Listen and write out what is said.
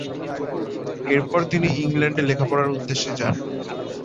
এরপর তিনি ইংল্যান্ডে লেখাপড়ার উদ্দেশ্যে যান।